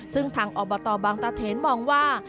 ซึ่งทางอบตบางตาเถนมองว่า